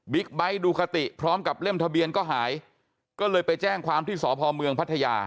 ไบท์ดูคติพร้อมกับเล่มทะเบียนก็หายก็เลยไปแจ้งความที่สพเมืองพัทยา